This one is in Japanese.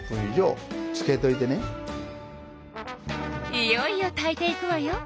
いよいよ炊いていくわよ。